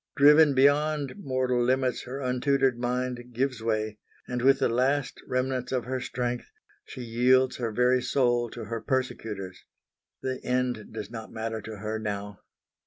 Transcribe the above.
Driven beyond mortal limits her untutored mind gives way; and with the last remnants of her strength she yields her very soul to her persecutors. The end does not matter to her now.